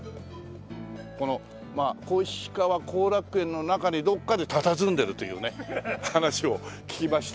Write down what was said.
この小石川後楽園の中にどっかでたたずんでるというね話を聞きましたんで。